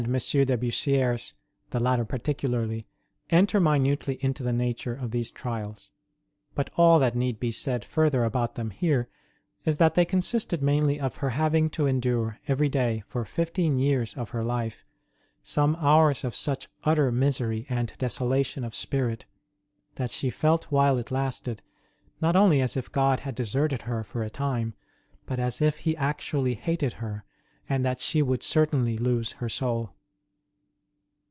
de Bussierre s (the latter particularly) enter minutely into the nature of these trials; but all that need be said further about them here is that they consisted mainly of her having to endure every day, for fifteen years of her life, some hours of such utter misery and desolation of spirit that she felt while it lasted not only as if God had deserted her for a time, but as if He actually hated her, and that she would certainly lose her soul.